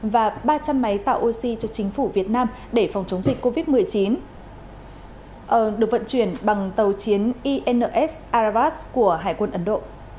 và ba trăm linh máy tạo oxy cho chính phủ việt nam để phòng chống dịch covid một mươi chín được vận chuyển bằng tàu chiến ins arabras của hải quân ấn độ